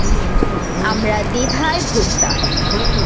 আমরা দ্বিধায় ভুগতাম।